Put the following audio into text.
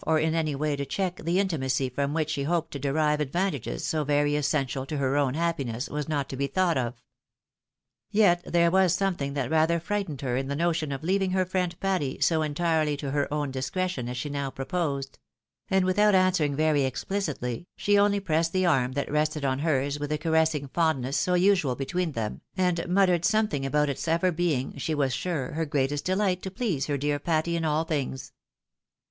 gough, or in any way to check the intimacy from which she hoped to derive advantages so very essential to her own happiness, was not to be thought of. Yet there was something that rather frightened her in the notion of leaving her friend Patty so entirely to her own discretion as she now proposed ; and without answering very expHoitly, she only pressed the arm that rested on hers vfith the caressing fondness so usual between them, and muttered something about its ever being, she was sure, her greatest delight to please her dear Patty in all things.